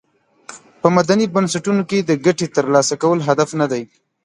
په مدني بنسټونو کې د ګټې تر لاسه کول هدف ندی.